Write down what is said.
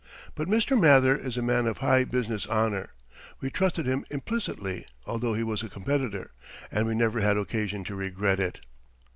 But Mr. Mather is a man of high business honour, we trusted him implicitly although he was a competitor, and we never had occasion to regret it.